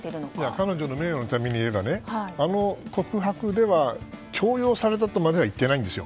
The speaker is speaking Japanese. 彼女の名誉のためにいえばあの告白では強要されたとまでは言ってないんですよ。